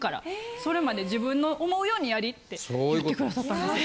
それまで自分の思うようにやり」って言って下さったんです。